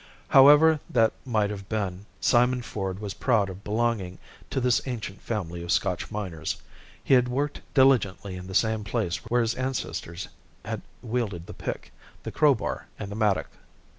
However that might have been, Simon Ford was proud of belonging to this ancient family of Scotch miners. He had worked diligently in the same place where his ancestors had wielded the pick, the crowbar, and the mattock.